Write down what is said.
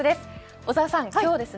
小澤さん、今日ですね